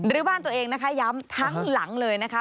หรือบ้านตัวเองนะคะย้ำทั้งหลังเลยนะคะ